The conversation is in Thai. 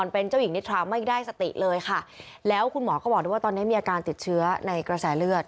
เป็นเจ้าหญิงนิทราไม่ได้สติเลยค่ะแล้วคุณหมอก็บอกด้วยว่าตอนนี้มีอาการติดเชื้อในกระแสเลือด